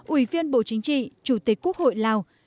ủy viên bộ chính trị chủ tịch quốc hội lào